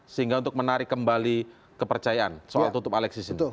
sehingga untuk menarik kembali kepercayaan soal tutup alexis ini